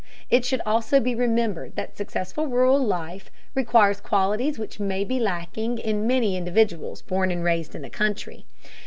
It should also be remembered that successful rural life requires qualities which may be lacking in many individuals born and raised in the country.